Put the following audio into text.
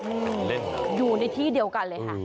เล่นอยู่ในที่เดียวกันเลยค่ะ